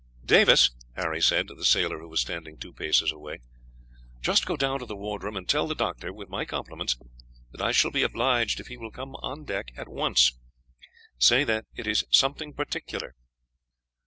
"Davis," Harry said to the sailor who was standing two paces away, "just go down to the wardroom, and tell the doctor, with my compliments, that I shall be obliged if he will come on deck at once. Say that it is something particular."